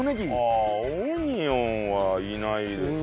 ああオニオンはいないですかね。